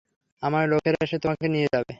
আমার লোকেরা এসে তোমাকে নিয়ে যাবে।